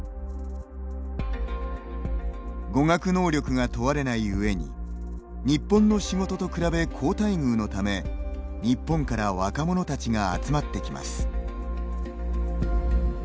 語学能力が問われない上に日本の仕事と比べ好待遇のため日本から若者たちが集まってきます。